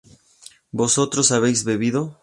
¿vosotros habéis bebido?